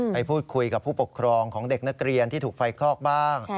ไปพูดคุยกับผู้ปกครองของเด็กนักเรียนที่ถูกไฟคลอกบ้าง